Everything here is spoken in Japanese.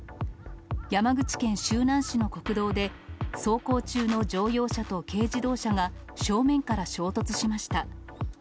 山口県周南市の国道で、走行中の乗用車と軽自動車が、正面から衝突しました。